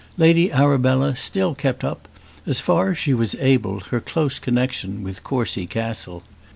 Lady Arabella still kept up, as far as she was able, her close connexion with Courcy Castle.